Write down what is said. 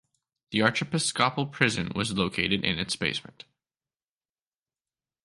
The archiepiscopal prison was located in its basement.